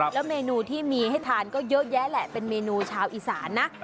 แล้วเมนูที่มีให้ทานก็เยอะแยะแหละเป็นเมนูชาวอีสานนะ